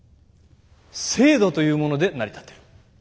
制度というもので成り立ってる。